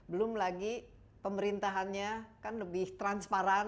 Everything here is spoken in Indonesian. belum lagi pemerintahannya kan lebih transparan